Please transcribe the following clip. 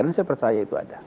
dan saya percaya itu ada